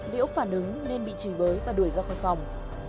liễu phản ứng nên bị trì bới và đuổi ra khỏi phòng